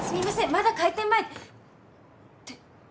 まだ開店前。って。